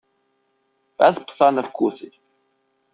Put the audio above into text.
Пес пса не вкусить.